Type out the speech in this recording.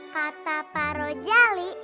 kata pak roy jali